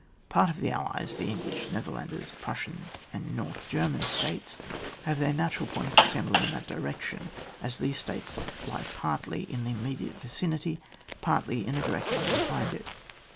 Part of the allies; the English, Nether landers, Prussian, and North German States have their natural point of assem bly in that direction, as these States lie pwrtly in the immediate vicinity, partly in a direct line behind it.